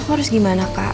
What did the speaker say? kok harus gimana kak